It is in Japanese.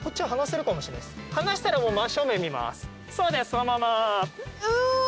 そのまま。